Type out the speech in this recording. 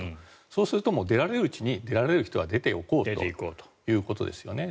そうすると出られるうちに出られる人は出ておこうということですよね。